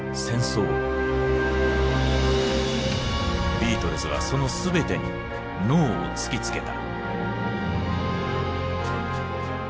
ビートルズはその全てに「ＮＯ」を突きつけた。